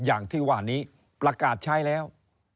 อย่างที่ว่านี้ประกาศใช้แล้ว